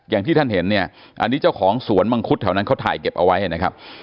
อย่างที่ท่านเห็นเนี่ยอันนี้เจ้าของสวนมังคุดแถวนั้นเขาถ่ายเก็บเอาไว้นะครับ